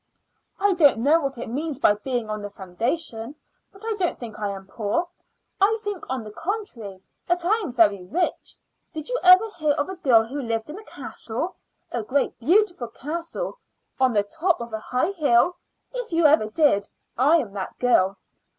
"I don't know what it means by being on the foundation, but I don't think I am poor. I think, on the contrary, that I am very rich. Did you ever hear of a girl who lived in a castle a great beautiful castle on the top of a high hill? If you ever did, I am that girl."